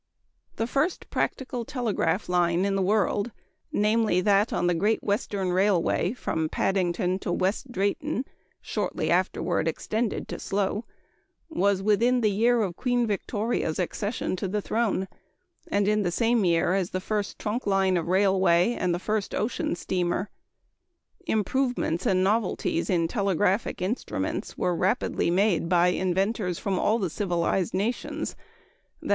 _ The first practical telegraph line in the world namely, that on the Great Western Railway from Paddington to West Drayton, shortly afterward extended to Slough was within the year of Queen Victoria's accession to the throne, and in the same year as the first trunk line of railway and the first ocean steamer. Improvements and novelties in telegraphic instruments were rapidly made by inventors from all the civilized nations e. g.